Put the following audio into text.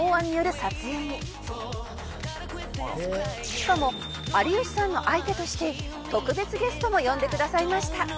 「しかも有吉さんの相手として特別ゲストも呼んでくださいました」